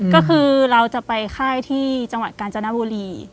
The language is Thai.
ก็คือเราจะไปค่ายที่จังหวัดกาญจนบุรี